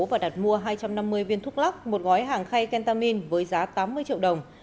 và đặt mua hai trăm năm mươi viên thuốc lắc một gói hàng khay kentamin với giá tám mươi triệu đồng